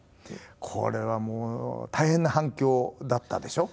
これはもう大変な反響だったでしょう？